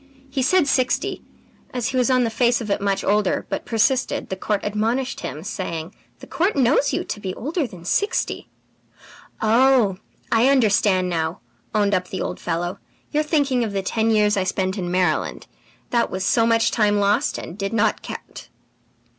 He said sixty. As he was on the face of it much older, but persisted, the court admonished him, saying: "'The court knows you to be older than sixty!' "'Oh, I understand now,' owned up the old fellow. 'You are thinking of the ten years I spent in Maryland; that was so much time lost and did not count!'"